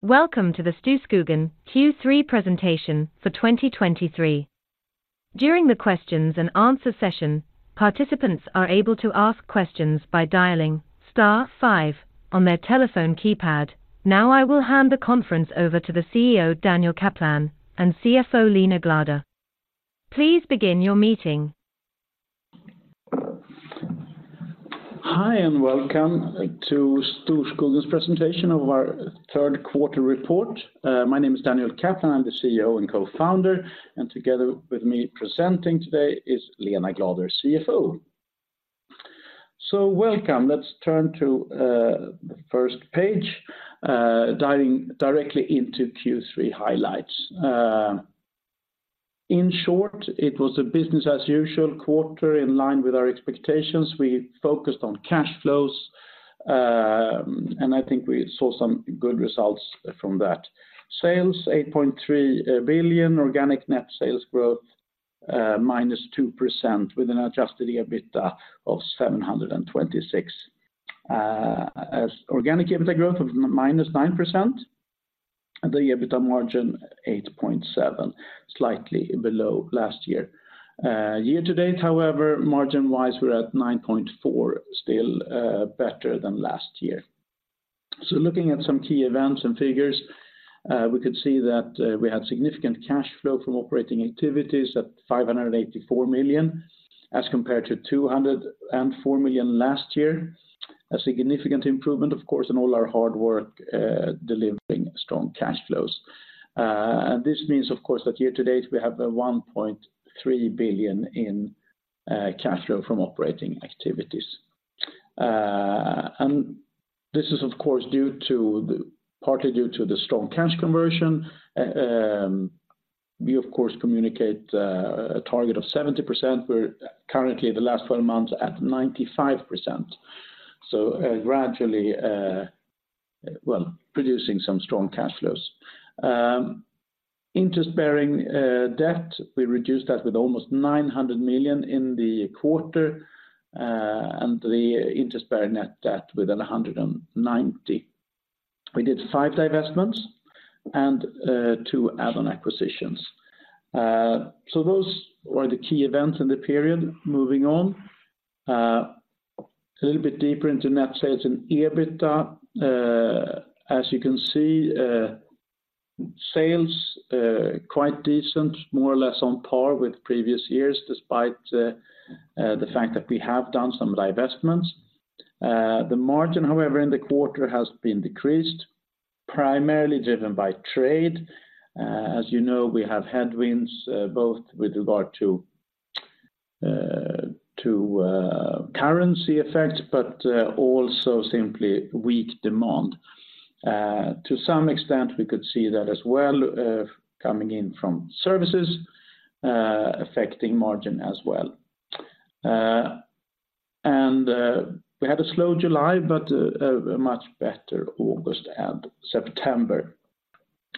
Welcome to the Storskogen Q3 Presentation for 2023. During the questions and answer session, participants are able to ask questions by dialing star five on their telephone keypad. Now, I will hand the conference over to the CEO, Daniel Kaplan, and CFO, Lena Glader. Please begin your meeting. Hi, and welcome to Storskogen's presentation of our third quarter report. My name is Daniel Kaplan, I'm the CEO and co-founder, and together with me presenting today is Lena Glader, CFO. So welcome. Let's turn to the first page, diving directly into Q3 highlights. In short, it was a business as usual quarter, in line with our expectations. We focused on cash flows, and I think we saw some good results from that. Sales, 8.3 billion, organic net sales growth -2%, with an adjusted EBITDA of 726 million. As organic EBITDA growth of -9%, and the EBITDA margin 8.7%, slightly below last year. Year to date, however, margin-wise, we're at 9.4%, still better than last year. So looking at some key events and figures, we could see that, we had significant cash flow from operating activities at 584 million, as compared to 204 million last year. A significant improvement, of course, in all our hard work, delivering strong cash flows. And this means, of course, that year to date, we have 1.3 billion in cash flow from operating activities. And this is, of course, due to the, partly due to the strong cash conversion. We, of course, communicate a target of 70%. We're currently, the last twelve months, at 95%. So, gradually, well, producing some strong cash flows. Interest-bearing debt, we reduced that with almost 900 million in the quarter, and the interest-bearing net debt with 190 million. We did five divestments and two add-on acquisitions. So those were the key events in the period. Moving on, a little bit deeper into net sales and EBITDA. As you can see, sales quite decent, more or less on par with previous years, despite the fact that we have done some divestments. The margin, however, in the quarter has been decreased, primarily driven by trade. As you know, we have headwinds, both with regard to currency effects, but also simply weak demand. To some extent, we could see that as well, coming in from services, affecting margin as well. And we had a slow July, but a much better August and September.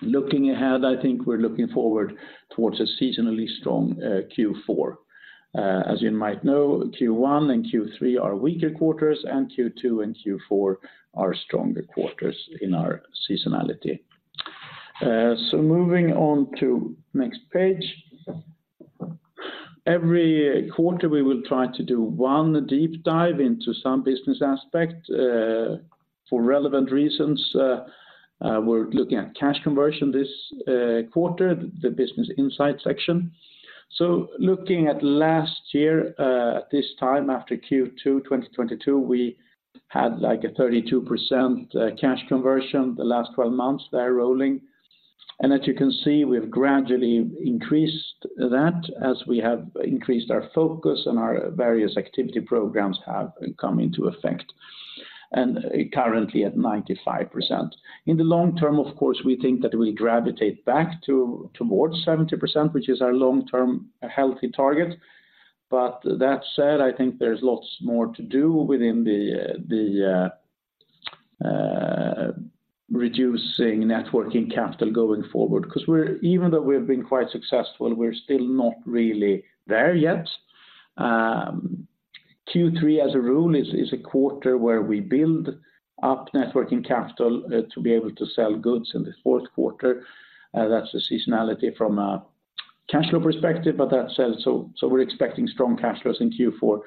Looking ahead, I think we're looking forward towards a seasonally strong Q4. As you might know, Q1 and Q3 are weaker quarters, and Q2 and Q4 are stronger quarters in our seasonality. So moving on to next page. Every quarter, we will try to do one deep dive into some business aspect. For relevant reasons, we're looking at Cash Conversion this quarter, the business insight section. So looking at last year, at this time, after Q2 2022, we had, like, a 32% Cash Conversion the last twelve months, TTM rolling. As you can see, we've gradually increased that as we have increased our focus and our various activity programs have come into effect, and currently at 95%. In the long term, of course, we think that we'll gravitate back towards 70%, which is our long-term healthy target. But that said, I think there's lots more to do within the reducing net working capital going forward. 'Cause we're even though we've been quite successful, we're still not really there yet. Q3, as a rule, is a quarter where we build up net working capital to be able to sell goods in the fourth quarter. That's the seasonality from a cash flow perspective, but that said. So we're expecting strong cash flows in Q4.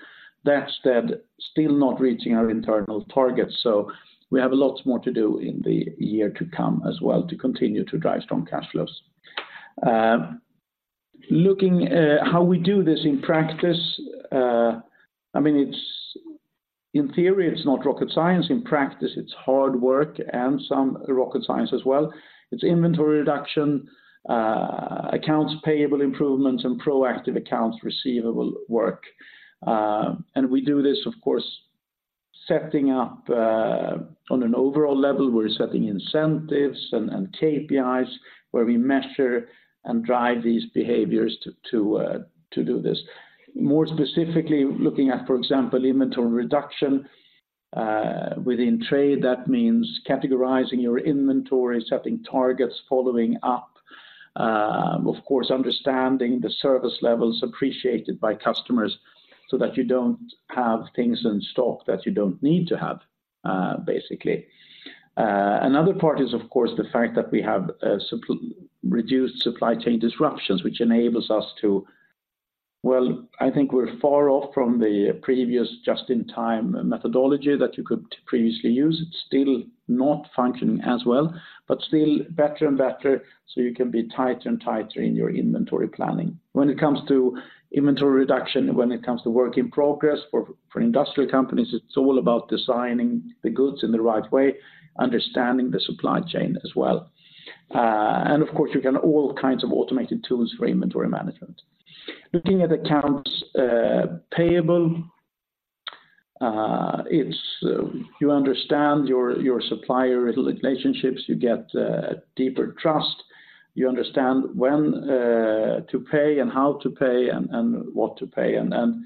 That said, still not reaching our internal targets, so we have a lot more to do in the year to come as well to continue to drive strong cash flows. Looking at how we do this in practice, I mean, it's. In theory, it's not rocket science. In practice, it's hard work and some rocket science as well. It's inventory reduction, accounts payable improvements, and proactive accounts receivable work. And we do this, of course, setting up. On an overall level, we're setting incentives and KPIs, where we measure and drive these behaviors to do this. More specifically, looking at, for example, inventory reduction, within trade, that means categorizing your inventory, setting targets, following up. Of course, understanding the service levels appreciated by customers, so that you don't have things in stock that you don't need to have, basically. Another part is, of course, the fact that we have reduced supply chain disruptions, which enables us to. Well, I think we're far off from the previous Just-in-Time methodology that you could previously use. It's still not functioning as well, but still better and better, so you can be tighter and tighter in your inventory planning. When it comes to inventory reduction, when it comes to work in progress for industrial companies, it's all about designing the goods in the right way, understanding the supply chain as well. And of course, you got all kinds of automated tools for inventory management. Looking at accounts payable, it's you understand your supplier relationships, you get a deeper trust. You understand when to pay and how to pay and what to pay, and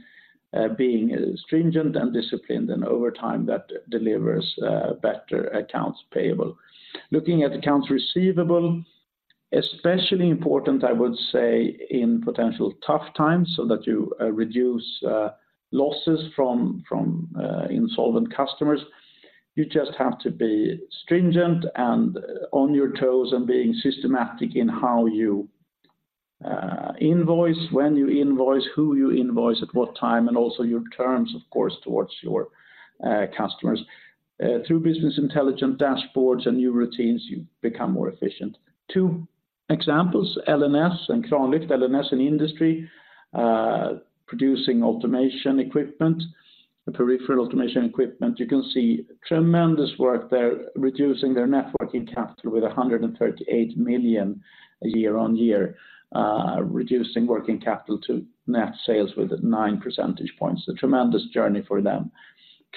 being stringent and disciplined, and over time, that delivers better accounts payable. Looking at accounts receivable, especially important, I would say, in potential tough times, so that you reduce losses from insolvent customers. You just have to be stringent, and on your toes, and being systematic in how you invoice, when you invoice, who you invoice, at what time, and also your terms, of course, towards your customers. Through business intelligence dashboards and new routines, you become more efficient. Two examples, LNS and TRANSLYFT. LNS in industry, producing automation equipment, peripheral automation equipment. You can see tremendous work there, reducing their net working capital with 138 million year-on-year, reducing working capital to net sales with 9 percentage points, a tremendous journey for them.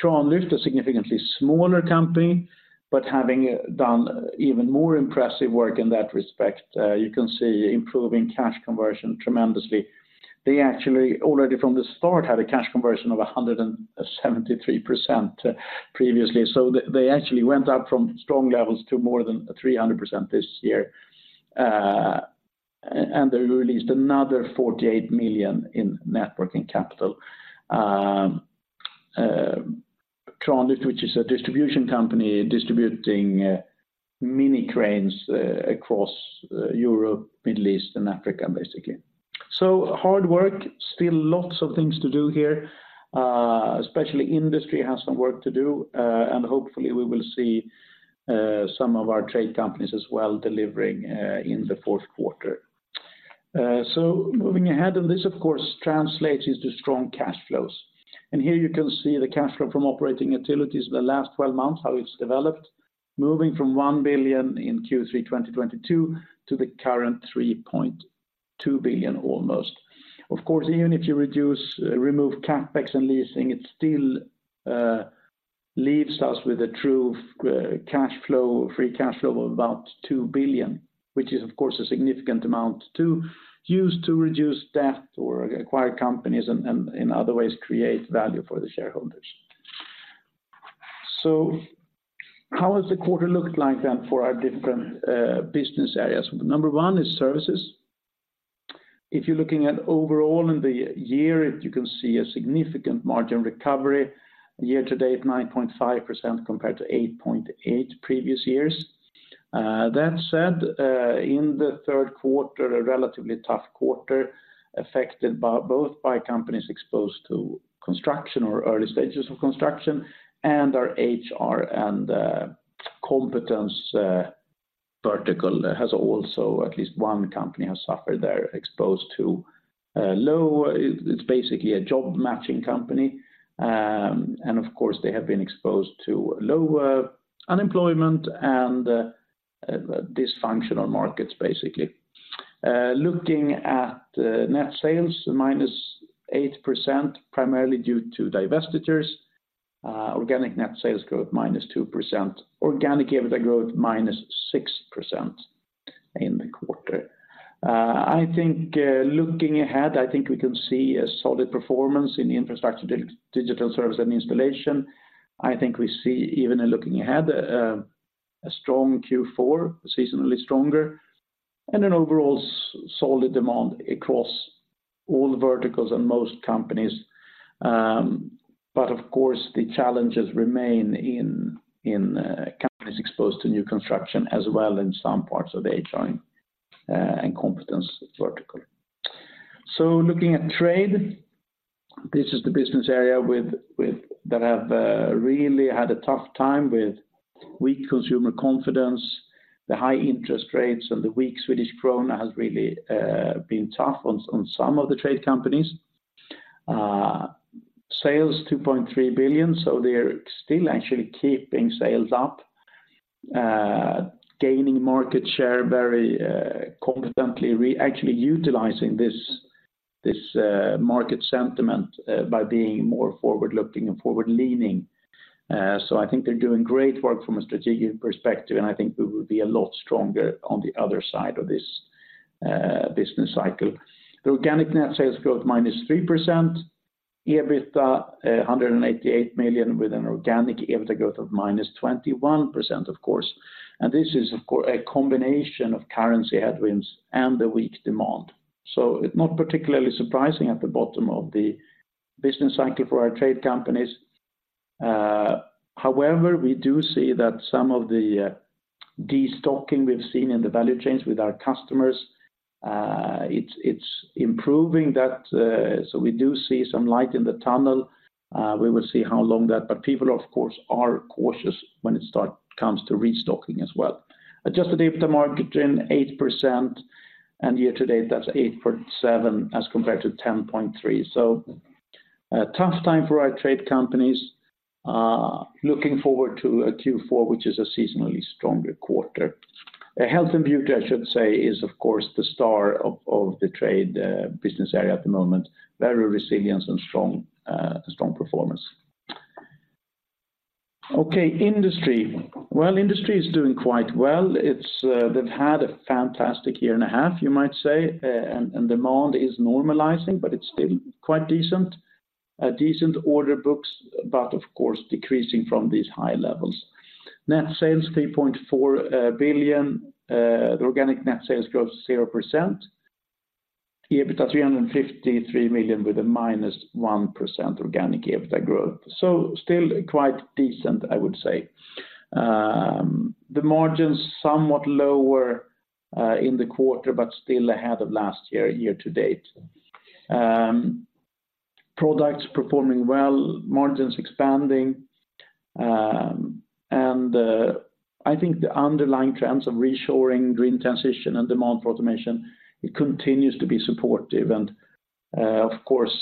TRANSLYFT, a significantly smaller company, but having done even more impressive work in that respect, you can see improving cash conversion tremendously. They actually, already from the start, had a cash conversion of 173% previously. So they, they actually went up from strong levels to more than 300% this year. And, and they released another 48 million in net working capital. Kranlyft, which is a distribution company, distributing mini cranes across Europe, Middle East, and Africa, basically. So hard work, still lots of things to do here. Especially industry has some work to do, and hopefully, we will see some of our trade companies as well, delivering in the fourth quarter. So moving ahead, and this, of course, translates into strong cash flows. And here you can see the cash flow from operating utilities in the last twelve months, how it's developed, moving from 1 billion in Q3 2022 to the current 3.2 billion, almost. Of course, even if you remove CapEx and leasing, it still leaves us with a true cash flow, free cash flow of about 2 billion, which is, of course, a significant amount to use to reduce debt or acquire companies and in other ways, create value for the shareholders. So how has the quarter looked like then for our different business areas? Number one is services. If you're looking at overall in the year, you can see a significant margin recovery, year to date, 9.5% compared to 8.8 previous years. That said, in the third quarter, a relatively tough quarter, affected by both by companies exposed to construction or early stages of construction, and our HR and competence vertical has also, at least one company, has suffered. They're exposed to low. It's basically a job-matching company. And of course, they have been exposed to lower unemployment and dysfunctional markets, basically. Looking at net sales, -8%, primarily due to divestitures. Organic net sales growth, -2%. Organic EBITDA growth, -6% in the quarter. I think looking ahead, I think we can see a solid performance in infrastructure, digital service, and installation. I think we see, even in looking ahead, a strong Q4, seasonally stronger, and an overall solid demand across all verticals and most companies. But of course, the challenges remain in companies exposed to new construction, as well in some parts of HR and competence vertical. So looking at trade, this is the business area with that have really had a tough time with weak consumer confidence. The high interest rates and the weak Swedish krona has really been tough on some of the trade companies. Sales, 2.3 billion, so they're still actually keeping sales up, gaining market share very competently. Actually utilizing this market sentiment by being more forward-looking and forward-leaning. So I think they're doing great work from a strategic perspective, and I think we will be a lot stronger on the other side of this business cycle. The organic net sales growth -3%. EBITDA 188 million with an organic EBITDA growth of -21%, of course, and this is of course a combination of currency headwinds and the weak demand. So it's not particularly surprising at the bottom of the business cycle for our trade companies. However, we do see that some of the destocking we've seen in the value chains with our customers, it's improving that, so we do see some light in the tunnel. We will see how long that, but people, of course, are cautious when it comes to restocking as well. Adjusted EBITDA margin 8%, and year to date, that's 8.7 as compared to 10.3. So, a tough time for our trade companies. Looking forward to a Q4, which is a seasonally stronger quarter. Health and beauty, I should say, is of course the star of the trade business area at the moment. Very resilient and strong performance. Okay, Industry. Well, Industry is doing quite well. It's, they've had a fantastic year and a half, you might say, and, and demand is normalizing, but it's still quite decent. A decent order books, but of course, decreasing from these high levels. Net sales, 3.4 billion, the organic net sales growth, 0%. EBITDA, 353 million, with a -1% organic EBITDA growth. So still quite decent, I would say. The margins somewhat lower, in the quarter, but still ahead of last year, year to date. Products performing well, margins expanding, and, I think the underlying trends of reshoring, green transition, and demand for automation, it continues to be supportive. Of course,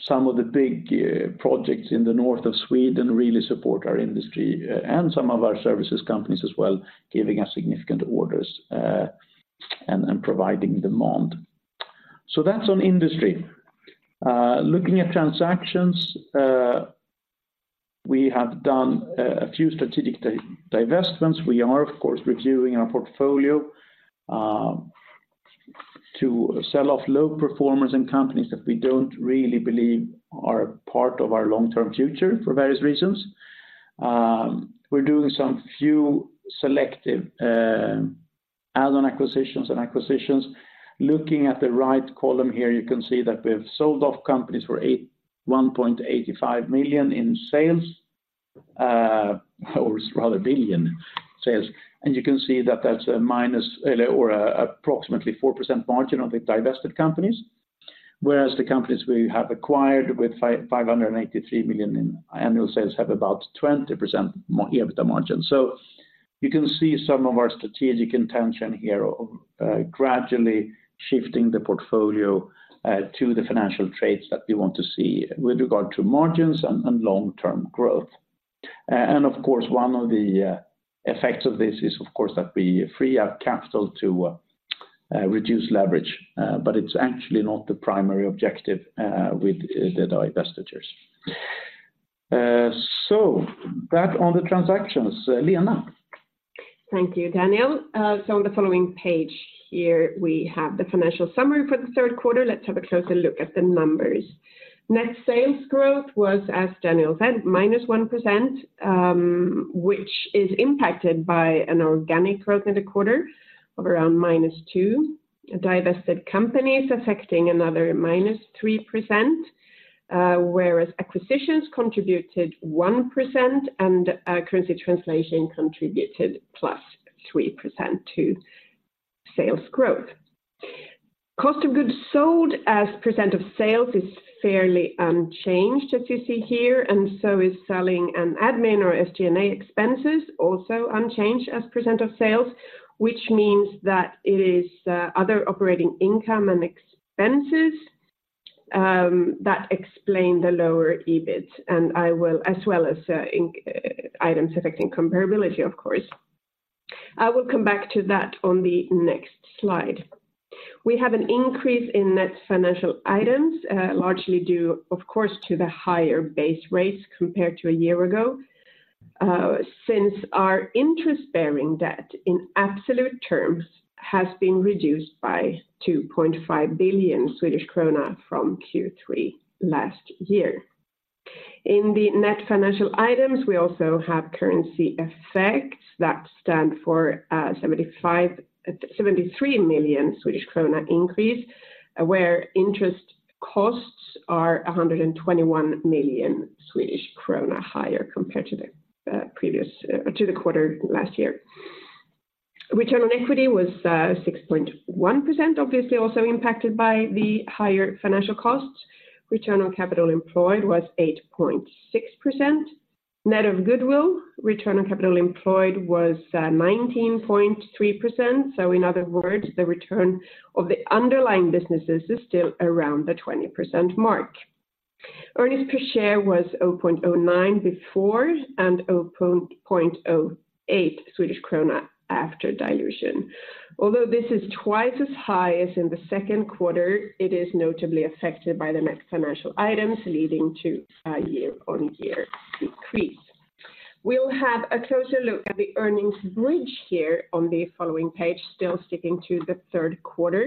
some of the big projects in the north of Sweden really support our industry and some of our services companies as well, giving us significant orders and providing demand. So that's on Industry. Looking at transactions, we have done a few strategic divestments. We are, of course, reviewing our portfolio to sell off low performers and companies that we don't really believe are part of our long-term future for various reasons. We're doing some few selective add-on acquisitions and acquisitions. Looking at the right column here, you can see that we've sold off companies for 8, 1.85 billion in sales. You can see that that's a minus or approximately 4% margin on the divested companies, whereas the companies we have acquired with 583 million in annual sales have about 20% EBITDA margin. So you can see some of our strategic intention here of gradually shifting the portfolio to the financial traits that we want to see with regard to margins and long-term growth. And of course, one of the effects of this is, of course, that we free up capital to reduce leverage, but it's actually not the primary objective with the divestitures. So that on the transactions. Lena? Thank you, Daniel. So on the following page here, we have the financial summary for the third quarter. Let's have a closer look at the numbers. Net sales growth was, as Daniel said, -1%, which is impacted by an organic growth in the quarter of around -2%. Divested companies affecting another -3%, whereas acquisitions contributed 1%, and currency translation contributed +3% to sales growth. Cost of goods sold as percent of sales is fairly unchanged, as you see here, and so is selling and admin or SG&A expenses, also unchanged as percent of sales, which means that it is other operating income and expenses that explain the lower EBIT, and as well as items affecting comparability, of course. I will come back to that on the next slide. We have an increase in net financial items, largely due, of course, to the higher base rates compared to a year ago, since our interest-bearing debt in absolute terms has been reduced by 2.5 billion Swedish krona from Q3 last year. In the net financial items, we also have currency effects that stand for 73 million Swedish krona increase, where interest costs are 121 million Swedish krona higher compared to the previous quarter last year. Return on equity was 6.1%, obviously also impacted by the higher financial costs. Return on capital employed was 8.6%. Net of goodwill, return on capital employed was 19.3%. So in other words, the return of the underlying businesses is still around the 20% mark. Earnings per share was 0.09 before and 0.08 Swedish krona after dilution. Although this is twice as high as in the second quarter, it is notably affected by the net financial items, leading to a year-on-year decrease. We'll have a closer look at the earnings bridge here on the following page, still sticking to the third quarter.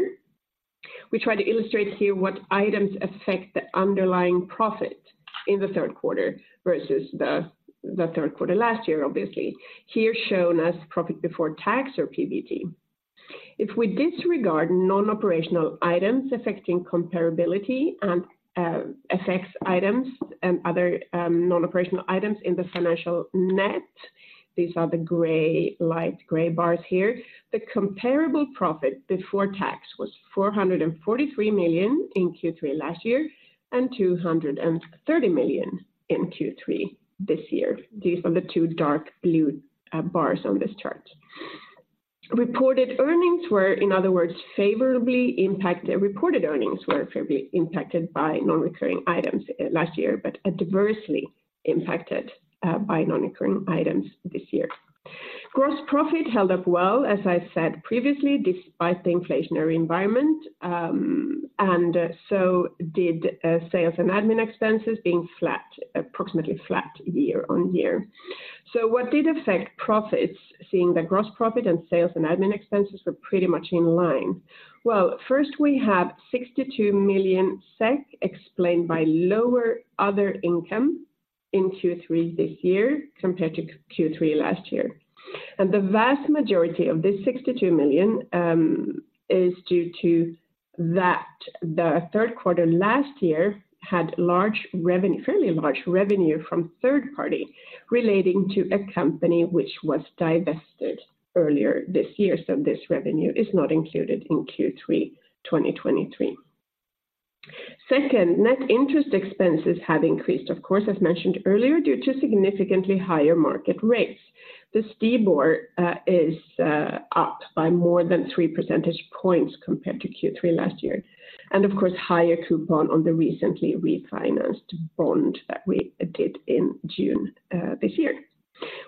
We try to illustrate here what items affect the underlying profit in the third quarter versus the third quarter last year, obviously. Here shown as profit before tax or PBT. If we disregard non-operational items affecting comparability and FX items and other non-operational items in the financial net, these are the gray, light gray bars here. The comparable profit before tax was 443 million in Q3 last year, and 230 million in Q3 this year. These are the two dark blue bars on this chart. Reported earnings were, in other words, favorably impacted. Reported earnings were favorably impacted by non-recurring items last year, but adversely impacted by non-recurring items this year. Gross profit held up well, as I said previously, despite the inflationary environment, and so did sales and admin expenses being flat, approximately flat year on year. So what did affect profits, seeing the gross profit and sales and admin expenses were pretty much in line? Well, first, we have 62 million SEK explained by lower other income in Q3 this year compared to Q3 last year. The vast majority of this 62 million is due to that the third quarter last year had large revenue, fairly large revenue from third party relating to a company which was divested earlier this year, so this revenue is not included in Q3 2023. Second, net interest expenses have increased, of course, as mentioned earlier, due to significantly higher market rates. The STIBOR is up by more than 3 percentage points compared to Q3 last year, and of course, higher coupon on the recently refinanced bond that we did in June this year.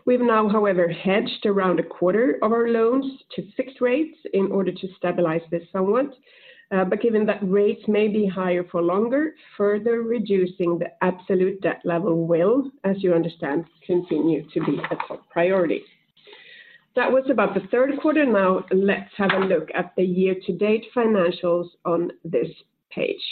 We've now, however, hedged around a quarter of our loans to fixed rates in order to stabilize this somewhat. But given that rates may be higher for longer, further reducing the absolute debt level will, as you understand, continue to be a top priority. That was about the third quarter. Now, let's have a look at the year-to-date financials on this page.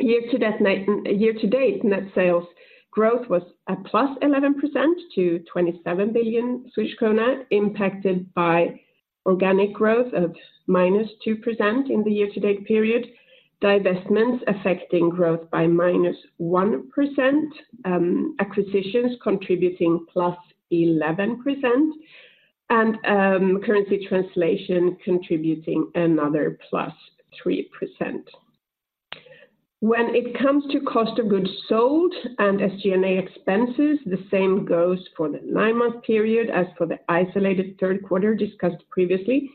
Year-to-date, net sales growth was +11% to 27 billion Swedish krona, impacted by organic growth of -2% in the year-to-date period, divestments affecting growth by -1%, acquisitions contributing +11%, and currency translation contributing another +3%. When it comes to cost of goods sold and SG&A expenses, the same goes for the nine-month period as for the isolated third quarter discussed previously.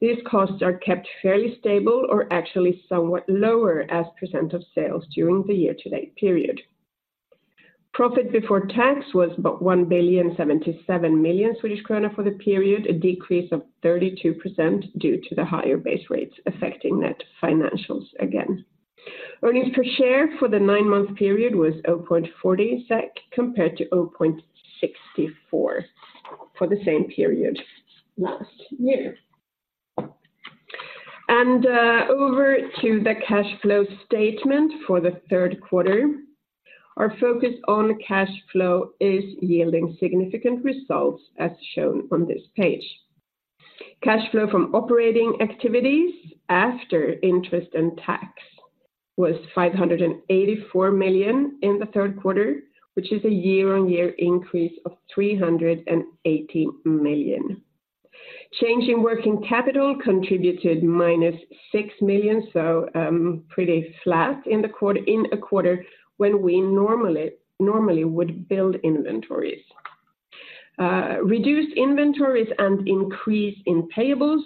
These costs are kept fairly stable or actually somewhat lower as % of sales during the year-to-date period. Profit before tax was about 1.077 billion for the period, a decrease of 32% due to the higher base rates affecting net financials again. Earnings per share for the nine-month period was 0.40 SEK, compared to 0.64 for the same period last year. Over to the cash flow statement for the third quarter. Our focus on cash flow is yielding significant results, as shown on this page. Cash flow from operating activities after interest and tax was 584 million in the third quarter, which is a year-on-year increase of 380 million. Change in working capital contributed -6 million, so pretty flat in the quarter, in a quarter when we normally would build inventories. Reduced inventories and increase in payables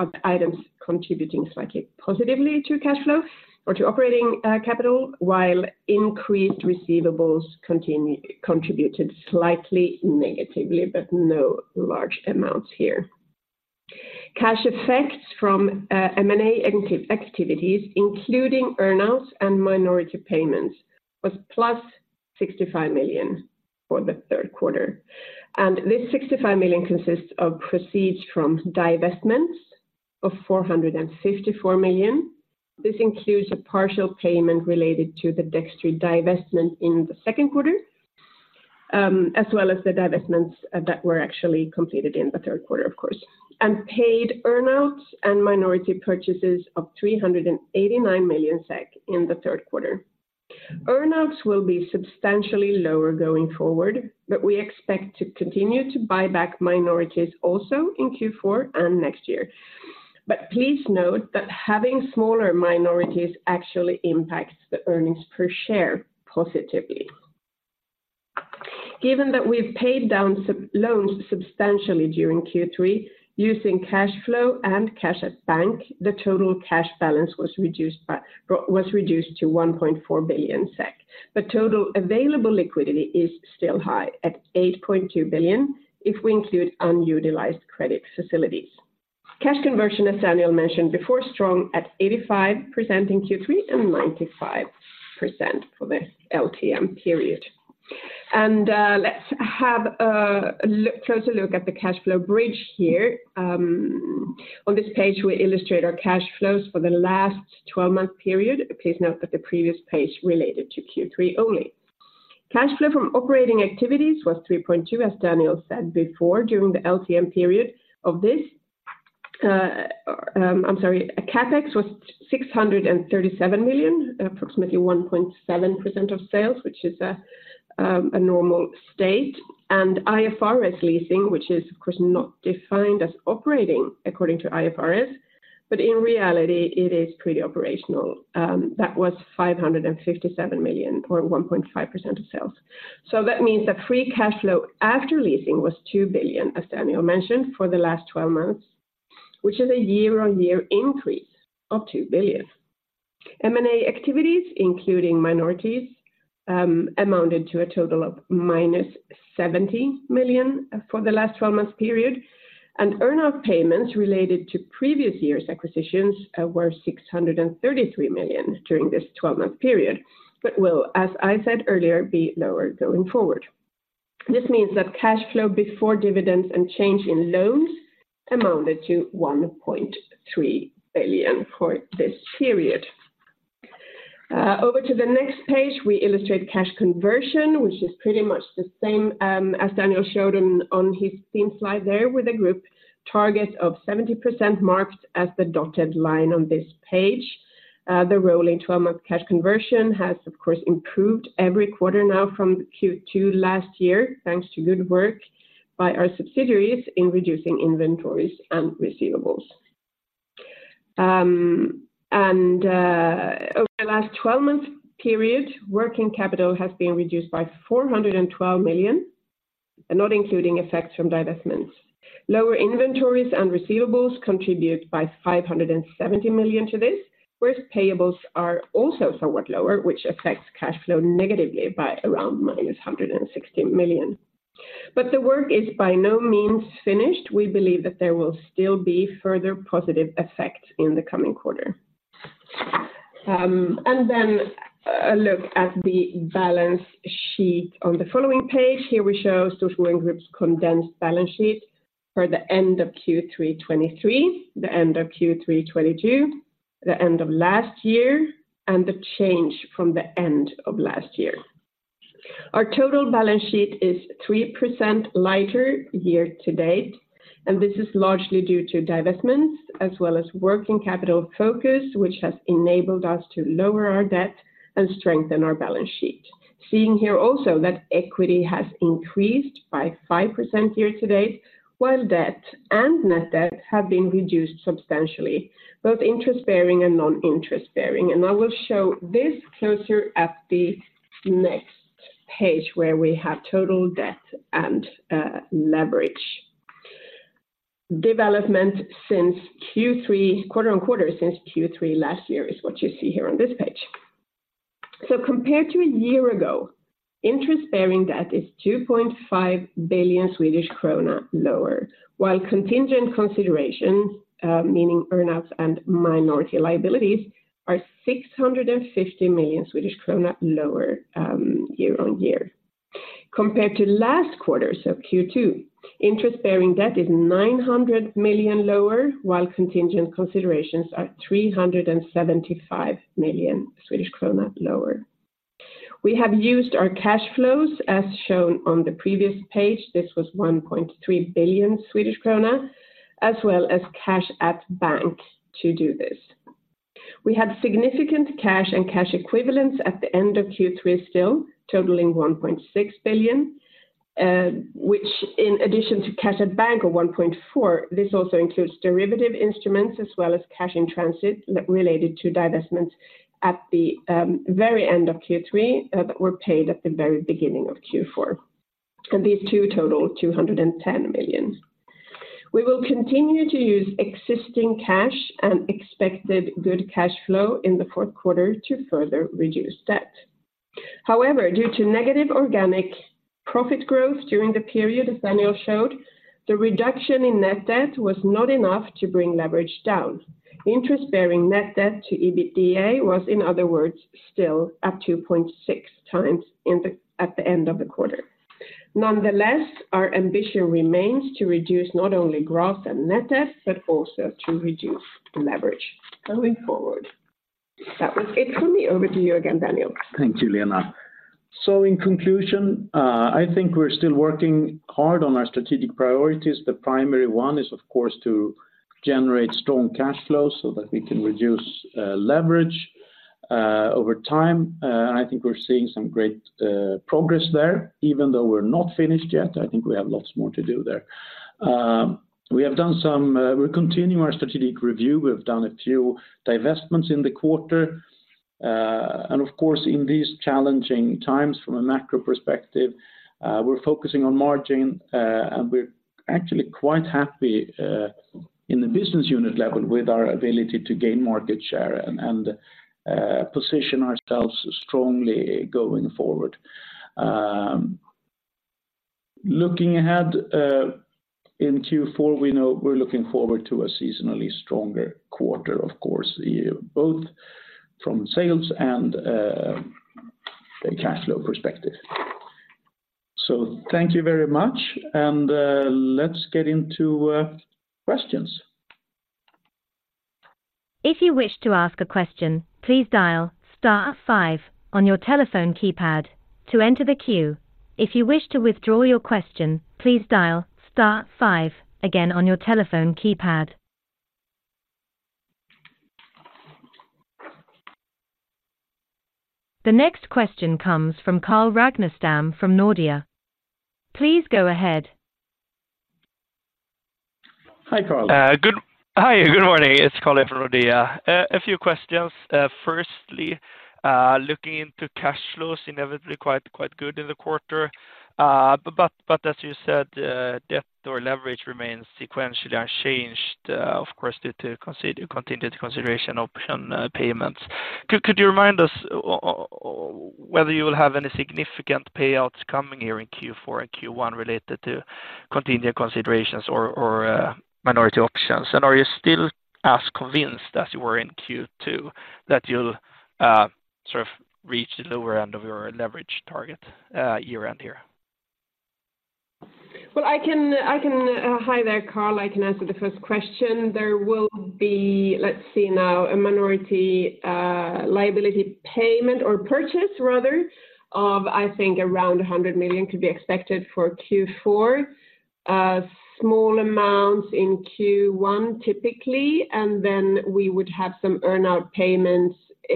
are items contributing slightly positively to cash flow or to operating capital, while increased receivables contributed slightly negatively, but no large amounts here. Cash effects from M&A activities, including earnouts and minority payments, was plus 65 million for the third quarter. This 65 million consists of proceeds from divestments of 454 million. This includes a partial payment related to the Dextry divestment in the second quarter, as well as the divestments that were actually completed in the third quarter, of course, and paid earnouts and minority purchases of 389 million SEK in the third quarter. Earnouts will be substantially lower going forward, but we expect to continue to buy back minorities also in Q4 and next year. Please note that having smaller minorities actually impacts the earnings per share positively. Given that we've paid down sub loans substantially during Q3 using cash flow and cash at bank, the total cash balance was reduced to 1.4 billion SEK, but total available liquidity is still high at 8.2 billion if we include unutilized credit facilities. Cash conversion, as Daniel mentioned before, strong at 85% in Q3 and 95% for the LTM period. Let's have a closer look at the cash flow bridge here. On this page, we illustrate our cash flows for the last twelve-month period. Please note that the previous page related to Q3 only. Cash flow from operating activities was 3.2 billion, as Daniel said before, during the LTM period of this. I'm sorry. CapEx was 637 million, approximately 1.7% of sales, which is a normal state, and IFRS leasing, which is, of course, not defined as operating according to IFRS, but in reality, it is pretty operational. That was 557 million, or 1.5% of sales. So that means that free cash flow after leasing was 2 billion, as Daniel mentioned, for the last twelve months, which is a year-on-year increase of 2 billion. M&A activities, including minorities, amounted to a total of -70 million for the last twelve-month period, and earn-out payments related to previous year's acquisitions were 633 million during this twelve-month period. But will, as I said earlier, be lower going forward. This means that cash flow before dividends and change in loans amounted to 1.3 billion for this period. Over to the next page, we illustrate cash conversion, which is pretty much the same as Daniel showed on his same slide there, with a group target of 70% marked as the dotted line on this page. The rolling twelve-month cash conversion has, of course, improved every quarter now from Q2 last year, thanks to good work by our subsidiaries in reducing inventories and receivables. Over the last twelve-month period, working capital has been reduced by 412 million, not including effects from divestments. Lower inventories and receivables contribute by 570 million to this, whereas payables are also somewhat lower, which affects cash flow negatively by around minus 160 million. But the work is by no means finished. We believe that there will still be further positive effects in the coming quarter. And then a look at the balance sheet on the following page. Here we show Storskogen Group's condensed balance sheet for the end of Q3 2023, the end of Q3 2022, the end of last year, and the change from the end of last year. Our total balance sheet is 3% lighter year to date, and this is largely due to divestments as well as working capital focus, which has enabled us to lower our debt and strengthen our balance sheet. Seeing here also that equity has increased by 5% year to date, while debt and net debt have been reduced substantially, both interest-bearing and non-interest-bearing. I will show this closer at the next page, where we have total debt and leverage. Development since Q3, quarter-on-quarter since Q3 last year is what you see here on this page. So compared to a year ago, interest-bearing debt is 2.5 billion Swedish krona lower, while contingent considerations, meaning earnouts and minority liabilities, are SEK 650 million lower, year-on-year. Compared to last quarter, so Q2, interest-bearing debt is 900 million lower, while contingent considerations are 375 million Swedish krona lower. We have used our cash flows, as shown on the previous page. This was 1.3 billion Swedish krona, as well as cash at bank to do this. We had significant cash and cash equivalents at the end of Q3 still, totaling 1.6 billion, which in addition to cash at bank of 1.4 billion, this also includes derivative instruments as well as cash in transit related to divestments at the very end of Q3, that were paid at the very beginning of Q4. And these two total 210 million. We will continue to use existing cash and expected good cash flow in the fourth quarter to further reduce debt. However, due to negative organic profit growth during the period, as Daniel showed, the reduction in net debt was not enough to bring leverage down. Interest bearing net debt to EBITDA was, in other words, still at 2.6x at the end of the quarter. Nonetheless, our ambition remains to reduce not only gross and net debt, but also to reduce the leverage going forward. That was it for me. Over to you again, Daniel. Thank you, Lena. So in conclusion, I think we're still working hard on our strategic priorities. The primary one is, of course, to generate strong cash flow so that we can reduce leverage over time. I think we're seeing some great progress there, even though we're not finished yet. I think we have lots more to do there. We have done some. We're continuing our strategic review. We've done a few divestments in the quarter. And of course, in these challenging times, from a macro perspective, we're focusing on margin, and we're actually quite happy in the business unit level with our ability to gain market share and position ourselves strongly going forward. Looking ahead, in Q4, we know we're looking forward to a seasonally stronger quarter, of course, both from sales and a cash flow perspective. So thank you very much, and let's get into questions. If you wish to ask a question, please dial star five on your telephone keypad to enter the queue. If you wish to withdraw your question, please dial star five again on your telephone keypad. The next question comes from Carl Ragnerstam from Nordea. Please go ahead. Hi, Carl. Hi, good morning. It's Carl from Nordea. A few questions. Firstly, looking into cash flows, inevitably quite good in the quarter. But as you said, debt or leverage remains sequentially unchanged, of course, due to continued consideration option payments. Could you remind us whether you will have any significant payouts coming here in Q4 and Q1 related to continuing considerations or minority options? And are you still as convinced as you were in Q2 that you'll sort of reach the lower end of your leverage target year round here? Well, hi there, Carl. I can answer the first question. There will be, let's see now, a minority liability payment or purchase rather, of, I think around 100 million could be expected for Q4. Small amounts in Q1, typically, and then we would have some earn out payments due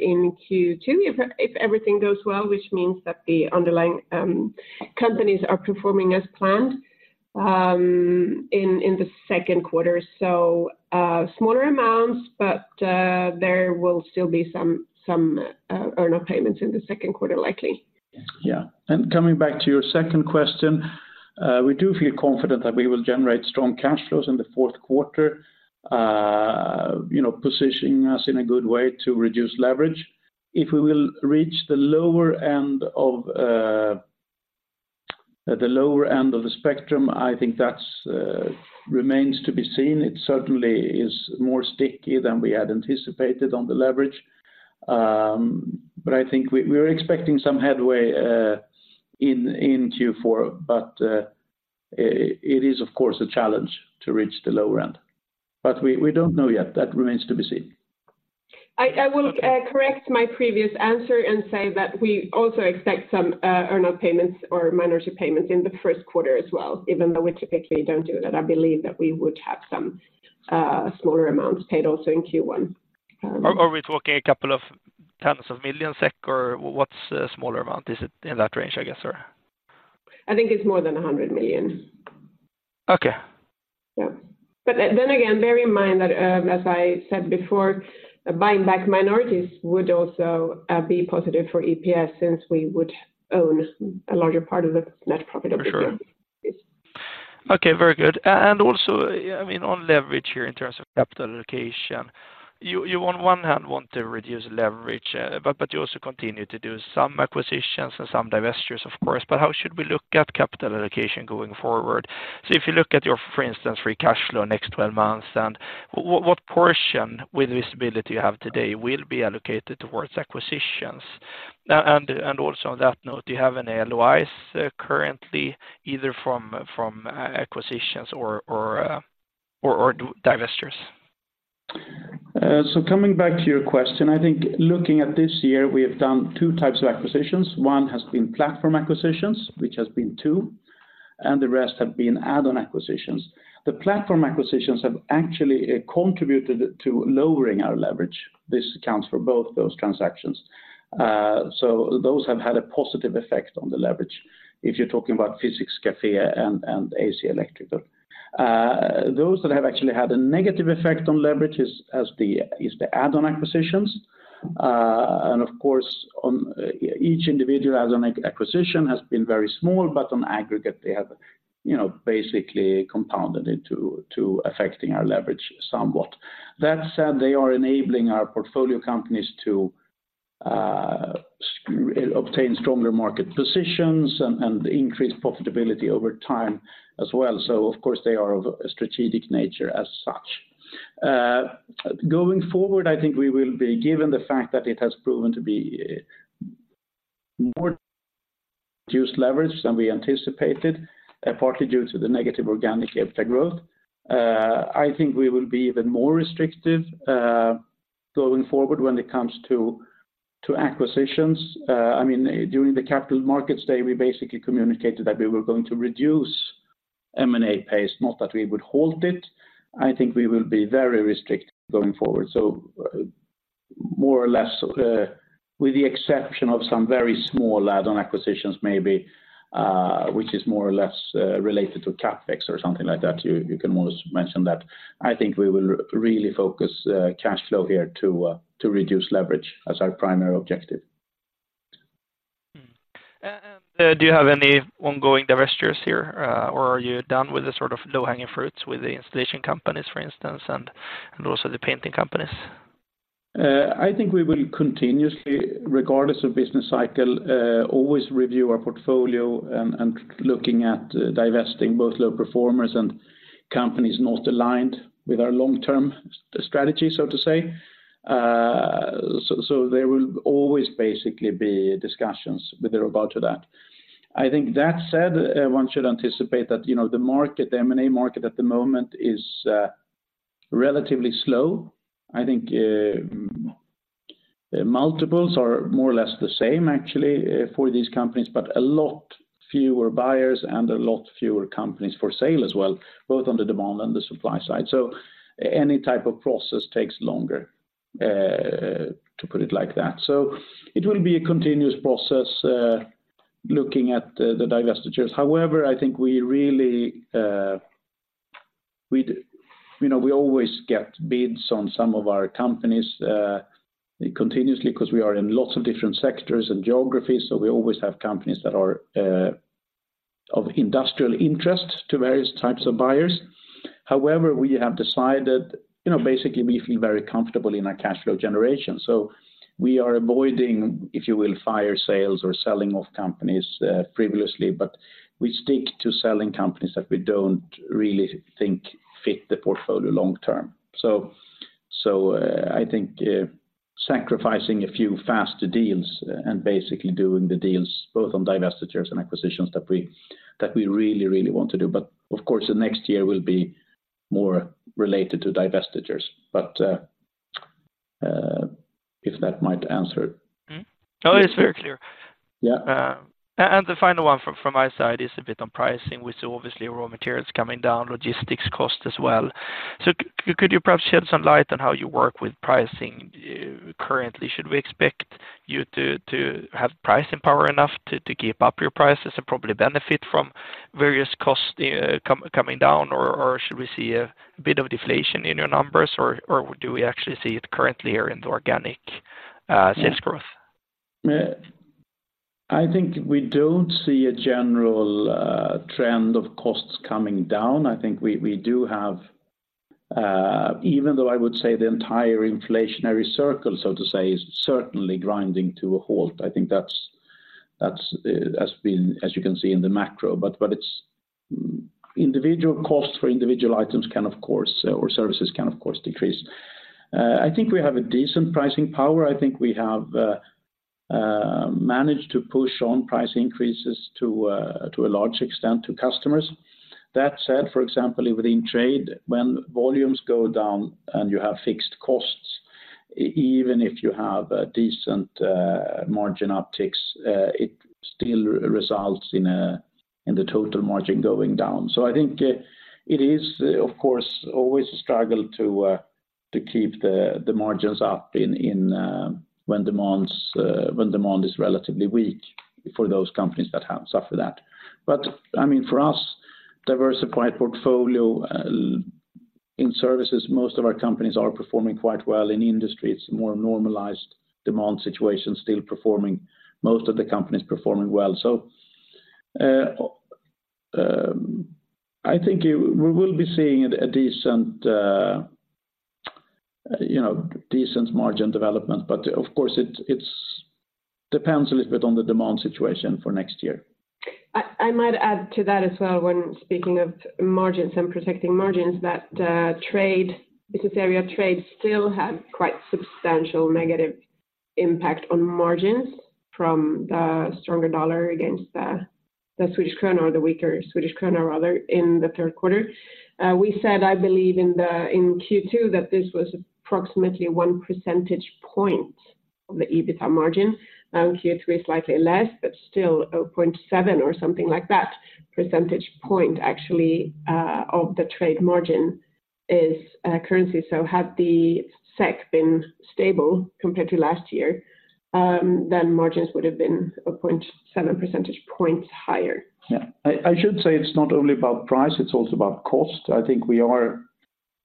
in Q2 if everything goes well, which means that the underlying companies are performing as planned in the second quarter. So, smaller amounts, but there will still be some earn out payments in the second quarter likely. Yeah. And coming back to your second question, we do feel confident that we will generate strong cash flows in the fourth quarter, you know, positioning us in a good way to reduce leverage. If we will reach the lower end of the lower end of the spectrum, I think that's remains to be seen. It certainly is more sticky than we had anticipated on the leverage. But I think we are expecting some headway in Q4, but it is, of course, a challenge to reach the lower end. But we don't know yet. That remains to be seen. I will- Okay. Correct my previous answer and say that we also expect some earn-out payments or minority payments in the first quarter as well, even though we typically don't do that. I believe that we would have some smaller amounts paid also in Q1. Are we talking a couple of tens of million SEK, or what's a smaller amount? Is it in that range, I guess, or? I think it's more than 100 million. Okay. Yeah. But then again, bear in mind that, as I said before, buying back minorities would also be positive for EPS since we would own a larger part of the net profitability. For sure. Yes. Okay, very good. And also, I mean, on leverage here in terms of capital allocation, you on one hand want to reduce leverage, but you also continue to do some acquisitions and some divestitures, of course. But how should we look at capital allocation going forward? So if you look at your, for instance, free cash flow next 12 months, and what portion with the visibility you have today will be allocated towards acquisitions? And also on that note, do you have any LOIs currently, either from acquisitions or do divestitures? So coming back to your question, I think looking at this year, we have done two types of acquisitions. One has been platform acquisitions, which has been two, and the rest have been add-on acquisitions. The platform acquisitions have actually contributed to lowering our leverage. This accounts for both those transactions. So those have had a positive effect on the leverage. If you're talking about Physics Cafe and AC Electrical. Those that have actually had a negative effect on leverage is the add-on acquisitions. And of course, on each individual add-on acquisition has been very small, but on aggregate, they have, you know, basically compounded into to affecting our leverage somewhat. That said, they are enabling our portfolio companies to obtain stronger market positions and increase profitability over time as well. So of course, they are of a strategic nature as such. Going forward, I think we will be given the fact that it has proven to be more reduced leverage than we anticipated, partly due to the negative organic EBITDA growth. I think we will be even more restrictive going forward when it comes to acquisitions. I mean, during the capital markets day, we basically communicated that we were going to reduce M&A pace, not that we would halt it. I think we will be very restrictive going forward. So, more or less, with the exception of some very small add-on acquisitions, maybe, which is more or less related to CapEx or something like that, you can almost mention that. I think we will really focus cash flow here to reduce leverage as our primary objective. Mm-hmm. And, do you have any ongoing divestitures here? Or are you done with the sort of low-hanging fruits with the installation companies, for instance, and also the painting companies? I think we will continuously, regardless of business cycle, always review our portfolio and looking at divesting both low performers and companies not aligned with our long-term strategy, so to say. So there will always basically be discussions with regard to that. I think that said, one should anticipate that, you know, the market, the M&A market at the moment is relatively slow. I think multiples are more or less the same actually for these companies, but a lot fewer buyers and a lot fewer companies for sale as well, both on the demand and the supply side. So any type of process takes longer to put it like that. So it will be a continuous process looking at the divestitures. However, I think we really, you know, we always get bids on some of our companies, continuously, because we are in lots of different sectors and geographies, so we always have companies that are, of industrial interest to various types of buyers. However, we have decided, you know, basically, we feel very comfortable in our cash flow generation, so we are avoiding, if you will, fire sales or selling off companies, previously, but we stick to selling companies that we don't really think fit the portfolio long term. So, I think, sacrificing a few faster deals and basically doing the deals both on divestitures and acquisitions that we really, really want to do. But of course, the next year will be more related to divestitures. But, if that might answer. Mm-hmm. Oh, it's very clear. Yeah. And the final one from my side is a bit on pricing, with obviously raw materials coming down, logistics cost as well. So could you perhaps shed some light on how you work with pricing, currently? Should we expect you to have pricing power enough to keep up your prices and probably benefit from various costs coming down? Or should we see a bit of deflation in your numbers, or do we actually see it currently here in the organic sales growth? I think we don't see a general trend of costs coming down. I think we do have. Even though I would say the entire inflationary circle, so to say, is certainly grinding to a halt. I think that's as been, as you can see in the macro, but it's individual costs for individual items can, of course, or services can, of course, decrease. I think we have a decent pricing power. I think we have managed to push on price increases to a large extent to customers. That said, for example, within trade, when volumes go down and you have fixed costs, even if you have a decent margin upticks, it still results in the total margin going down. So I think it is, of course, always a struggle to keep the margins up in when demand is relatively weak for those companies that have suffer that. But I mean, for us, diverse supply portfolio in services, most of our companies are performing quite well. In industry, it's more normalized demand situation, still performing. Most of the companies performing well. So I think we will be seeing a decent you know decent margin development, but of course, it it's depends a little bit on the demand situation for next year. I might add to that as well, when speaking of margins and protecting margins, that trade business area of trade still have quite substantial negative impact on margins from the stronger US dollar against the Swedish krona or the weaker Swedish krona rather, in the third quarter. We said, I believe, in Q2, that this was approximately one percentage point of the EBITDA margin. Q3 is likely less, but still 0.7 or something like that, percentage point, actually, of the trade margin is currency. So had the SEK been stable compared to last year, then margins would have been 0.7 percentage points higher. Yeah. I should say it's not only about price, it's also about cost. I think we are,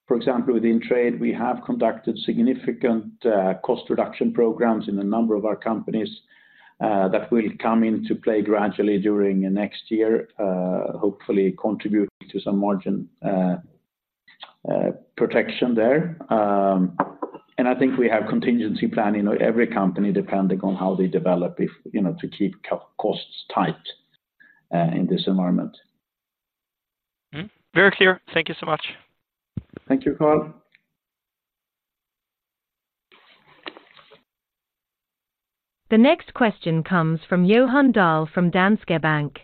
for example, within trade, we have conducted significant cost reduction programs in a number of our companies that will come into play gradually during the next year, hopefully contribute to some margin protection there. And I think we have contingency planning on every company, depending on how they develop, you know, to keep costs tight in this environment. Mm-hmm. Very clear. Thank you so much. Thank you, Carl. The next question comes from Johan Dahl from Danske Bank.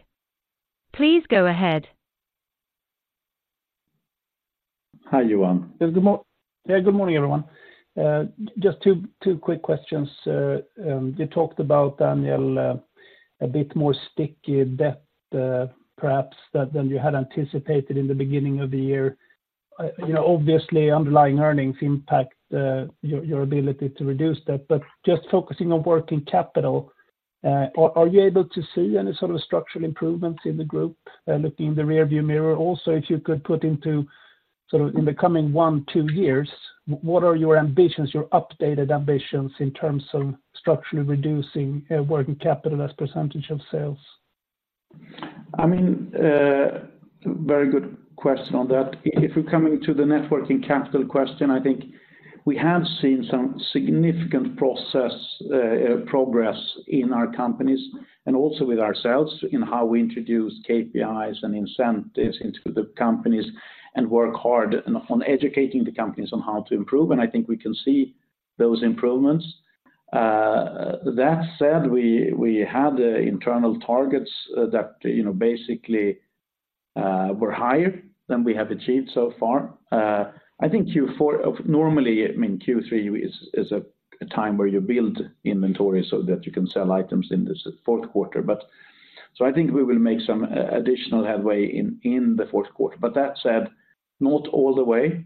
Please go ahead. Hi, Johan. Good morning, everyone. Just two quick questions. You talked about, Daniel, a bit more sticky debt, perhaps that than you had anticipated in the beginning of the year. You know, obviously, underlying earnings impact your ability to reduce that, but just focusing on working capital, are you able to see any sort of structural improvements in the group, looking in the rearview mirror? Also, if you could put into sort of in the coming one, two years, what are your ambitions, your updated ambitions in terms of structurally reducing working capital as percentage of sales? I mean, very good question on that. If we're coming to the net working capital question, I think we have seen some significant progress in our companies, and also with ourselves in how we introduce KPIs and incentives into the companies, and work hard on educating the companies on how to improve, and I think we can see those improvements. That said, we had internal targets that, you know, basically, were higher than we have achieved so far. I think Q4 of, normally, I mean, Q3 is a time where you build inventory so that you can sell items in this fourth quarter. But so I think we will make some additional headway in the fourth quarter. But that said, not all the way.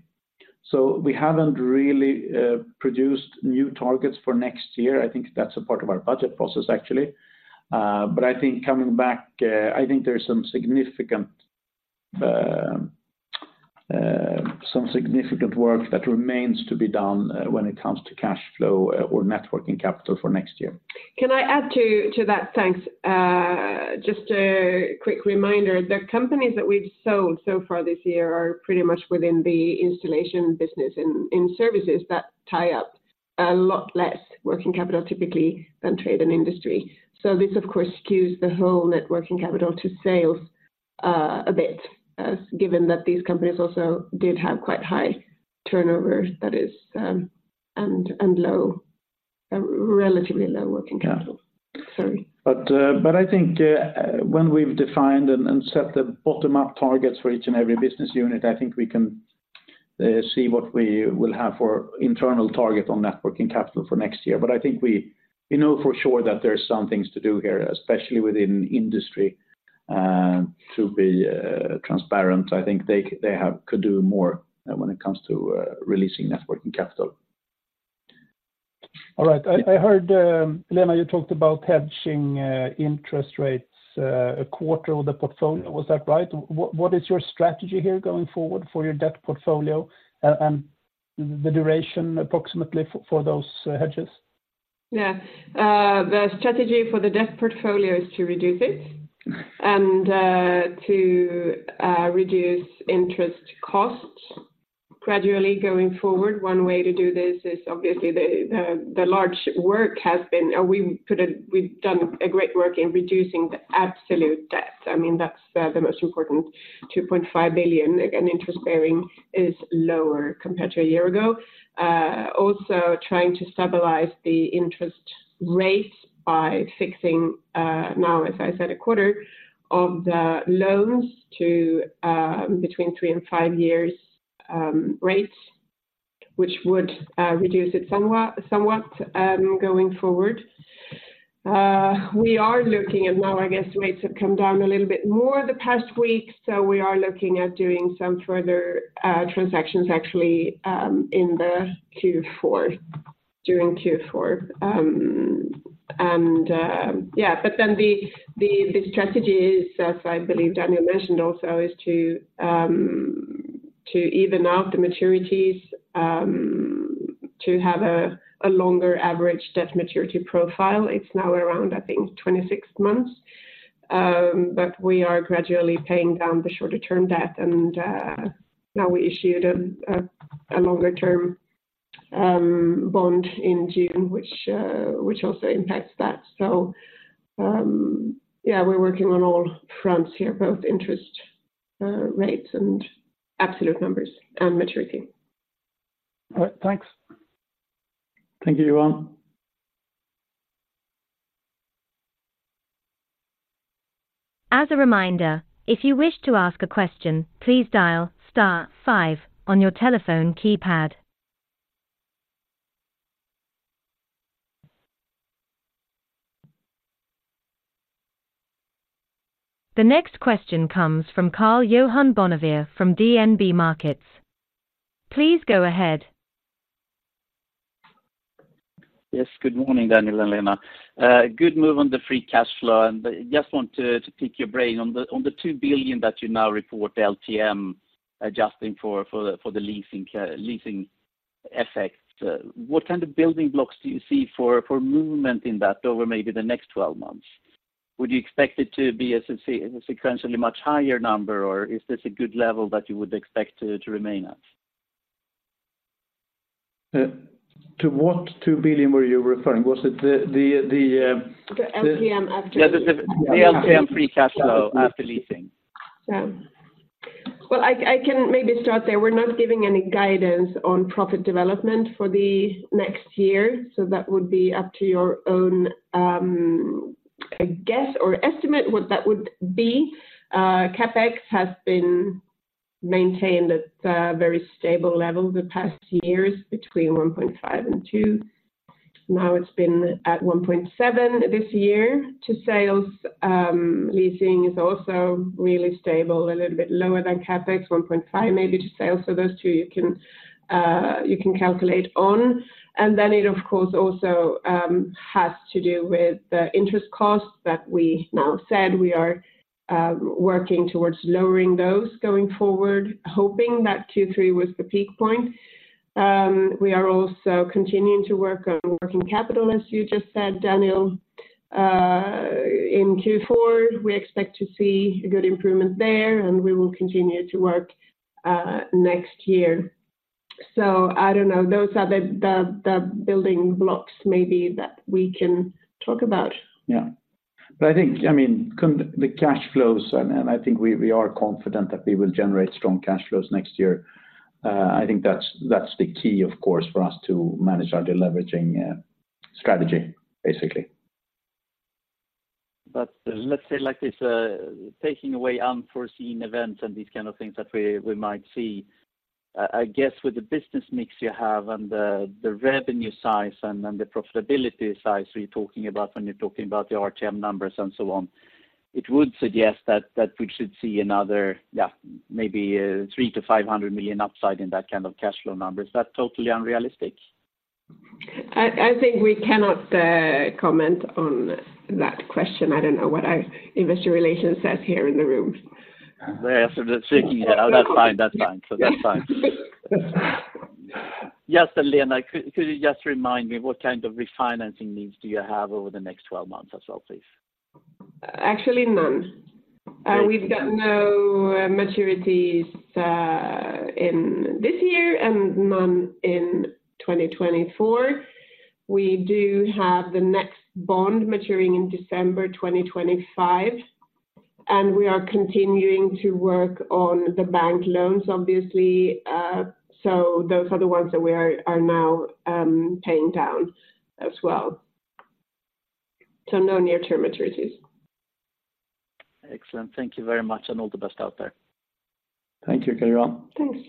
So we haven't really produced new targets for next year. I think that's a part of our budget process, actually. But I think coming back, I think there's some significant, some significant work that remains to be done, when it comes to cash flow or net working capital for next year. Can I add to that? Thanks. Just a quick reminder, the companies that we've sold so far this year are pretty much within the installation business in services that tie up a lot less working capital, typically, than trade and industry. So this, of course, skews the whole net working capital to sales a bit, as given that these companies also did have quite high turnover, that is, and low, relatively low working capital. Sorry. I think, when we've defined and set the bottom-up targets for each and every business unit, I think we can see what we will have for internal target on net working capital for next year. I think we know for sure that there are some things to do here, especially within industry, to be transparent. I think they could do more, when it comes to releasing net working capital. All right. I heard, Lena, you talked about hedging interest rates a quarter of the portfolio. Was that right? What is your strategy here going forward for your debt portfolio, and the duration approximately for those hedges? Yeah. The strategy for the debt portfolio is to reduce it and to reduce interest costs gradually going forward. One way to do this is, obviously, the large work has been, we've done a great work in reducing the absolute debt. I mean, that's the most important, 2.5 billion. Again, interest bearing is lower compared to a year ago. Also trying to stabilize the interest rate by fixing, now, as I said, a quarter of the loans to, between 3 and 5 years, rates, which would reduce it somewhat, going forward. We are looking, and now I guess rates have come down a little bit more the past week, so we are looking at doing some further transactions, actually, in the Q4, during Q4. And, but then the strategy is, as I believe Daniel mentioned also, is to even out the maturities, to have a longer average debt maturity profile. It's now around, I think, 26 months, but we are gradually paying down the shorter-term debt, and now we issued a longer-term bond in June, which also impacts that. So, yeah, we're working on all fronts here, both interest rates and absolute numbers and maturity. All right. Thanks. Thank you, Johan. As a reminder, if you wish to ask a question, please dial star five on your telephone keypad. The next question comes from Karl-Johan Bonnevier from DNB Markets. Please go ahead. Yes. Good morning, Daniel and Lena. Good move on the free cash flow, and I just want to pick your brain on the 2 billion that you now report LTM adjusting for the leasing effect. What kind of building blocks do you see for movement in that over maybe the next 12 months? Would you expect it to be a sequentially much higher number, or is this a good level that you would expect to remain at? To what 2 billion were you referring? Was it the- The LTM after- Yeah, the LTM free cash flow after leasing. Well, I can maybe start there. We're not giving any guidance on profit development for the next year, so that would be up to your own, I guess, or estimate what that would be. CapEx has been maintained at a very stable level the past years, between 1.5% and 2%. Now, it's been at 1.7% this year to sales. Leasing is also really stable, a little bit lower than CapEx, 1.5%, maybe to sales. So those two you can, you can calculate on. And then it, of course, also, has to do with the interest costs that we now said we are working towards lowering those going forward, hoping that Q3 was the peak point. We are also continuing to work on working capital, as you just said, Daniel. In Q4, we expect to see a good improvement there, and we will continue to work next year. So I don't know. Those are the building blocks maybe that we can talk about. Yeah. But I think, I mean, the cash flows, and I think we are confident that we will generate strong cash flows next year. I think that's the key, of course, for us to manage our deleveraging strategy, basically. But let's say, like, it's taking away unforeseen events and these kind of things that we might see, I guess with the business mix you have and the revenue size and the profitability size we're talking about when you're talking about the RTM numbers and so on, it would suggest that we should see another, yeah, maybe, 300-500 million upside in that kind of cash flow number. Is that totally unrealistic? I think we cannot comment on that question. I don't know what our investor relations says here in the room. They are sort of shaking their head. That's fine, that's fine. So that's fine. Just, Lena, could you just remind me what kind of refinancing needs do you have over the next 12 months as well, please? Actually, none. We've got no maturities in this year and none in 2024. We do have the next bond maturing in December 2025, and we are continuing to work on the bank loans, obviously. So those are the ones that we are now paying down as well. So no near-term maturities. Excellent. Thank you very much, and all the best out there. Thank you, Karl-Johan. Thanks.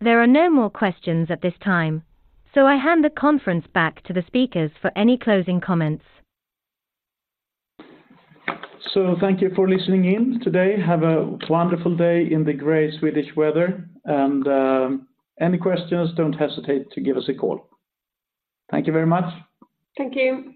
There are no more questions at this time, so I hand the conference back to the speakers for any closing comments. Thank you for listening in today. Have a wonderful day in the gray Swedish weather, and, any questions, don't hesitate to give us a call. Thank you very much. Thank you.